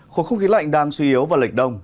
khối không khí lạnh đang suy yếu và lệch đông